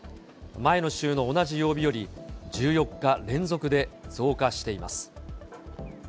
前の週の同じ曜日より、１４日連続で増加しています。